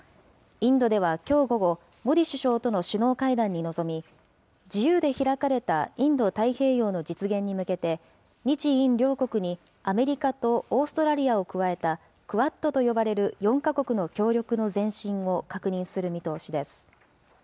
インドではきょう午後、モディ首相との首脳会談に臨み、自由で開かれたインド太平洋の実現に向けて、日印両国にアメリカとオーストラリアを加えた、クアッドと呼ばれる４か国の協力の前進を確認する見通しです。